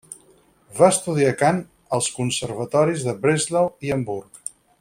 Va estudiar cant als conservatoris de Breslau i Hamburg.